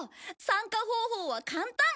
参加方法は簡単！